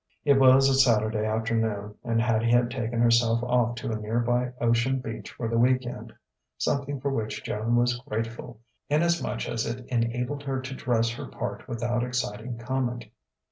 It was a Saturday afternoon, and Hattie had taken herself off to a nearby ocean beach for the week end; something for which Joan was grateful, inasmuch as it enabled her to dress her part without exciting comment.